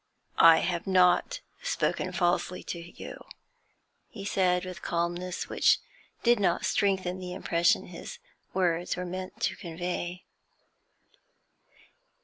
'I have not spoken falsely to you,' he said, with calmness which did not strengthen the impression his words were meant to convey.